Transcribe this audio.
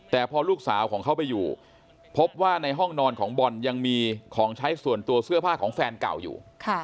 แต่พอลูกสาวของเขาไปอยู่พบว่าในห้องนอนของบอลยังมีของใช้ส่วนตัวเสื้อผ้าของแฟนเก่าอยู่